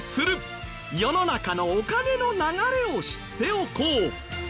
世の中のお金の流れを知っておこう！